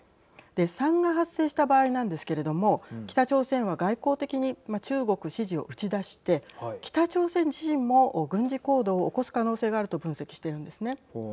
３が発生した場合なんですけれども北朝鮮は外交的に中国支持を打ち出して北朝鮮自身も軍事行動を起こす可能性があると分析しているんですね。